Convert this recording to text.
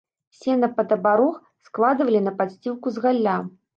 Сена пад абарог складвалі на падсцілку з галля.